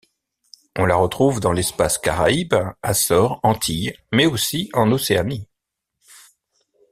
On la retrouve dans l'Espace Caraïbe, Açores, Antilles, mais aussi en Océanie.